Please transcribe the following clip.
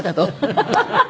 ハハハハ。